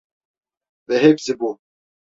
Ve hepsi bu.